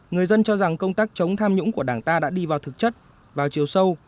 người dân cho rằng công tác chống tham nhũng của đảng ta đã đi vào thực chất vào chiều sâu